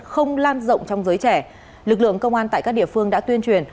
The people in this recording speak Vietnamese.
không lan rộng trong giới trẻ lực lượng công an tại các địa phương đã tuyên truyền